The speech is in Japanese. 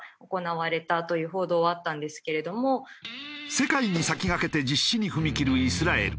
世界に先駆けて実施に踏み切るイスラエル。